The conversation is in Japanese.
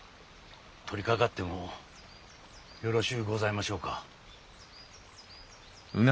取りかかってもよろしゅうございましょうか。